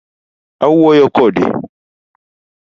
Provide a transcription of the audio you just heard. Awuoyo kodi .